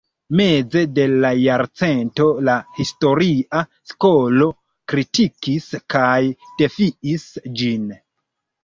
Meze de la jarcento la historia skolo kritikis kaj defiis ĝin.